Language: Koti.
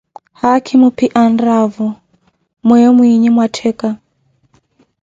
Haakhimo phi anraavo myeeyo mwiiyi mwa ttekka.